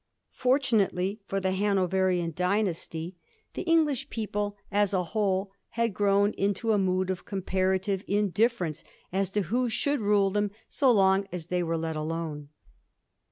Fortunately for the Hanoverian dynasty, the English people, as a whole, had grown into a mood of comparative indifference as to who should rule them 80 long as they were let alone.